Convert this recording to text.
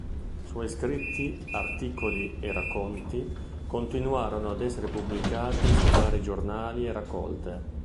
Suoi scritti, articoli e racconti, continuarono ad essere pubblicati su vari giornali e raccolte.